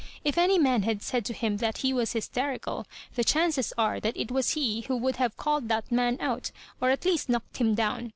If any man had said to him that he was hysterical, the chances are that it was he who would haye called that man out, or at least knocked him down.